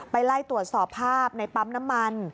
ไล่ตรวจสอบภาพในปั๊มน้ำมัน